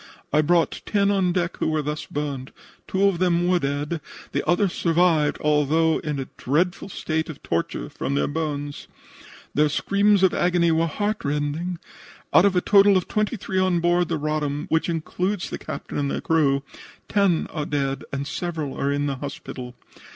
I brought ten on deck who were thus burned; two of them were dead, the others survived, although in a dreadful state of torture from their burns. Their screams of agony were heartrending. Out of a total of twenty three on board the Roddam, which includes the captain and the crew, ten are dead and several are in the hospital.